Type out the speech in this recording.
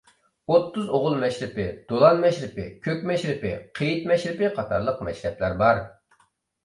ئوتتۇز ئوغۇل مەشرىپى، دولان مەشرىپى، كۆك مەشرىپى، قېيىت مەشرىپى قاتارلىق مەشرەپلەر بار.